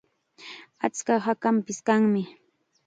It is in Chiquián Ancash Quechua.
Achka hakanpis kanmi.